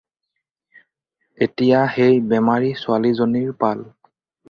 এতিয়া সেই বেমাৰী ছোৱালীজনীৰ পাল।